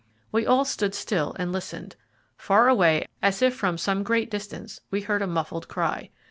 We all stood still and listened. Far away, as if from some great distance, we heard a muffled cry.